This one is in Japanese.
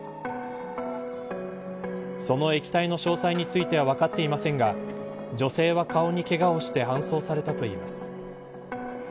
その液体の詳細については分かっていませんが女性は顔にけがをして搬送されたといいます。